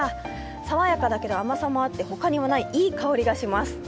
さわやかだけど、甘さもあって、ほかにはないいい香りがします。